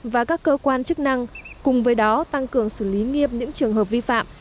và các cơ quan chức năng cùng với đó tăng cường xử lý nghiêm những trường hợp vi phạm